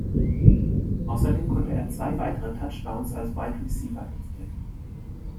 Außerdem konnte er zwei weitere Touchdowns als Wide Receiver erzielen.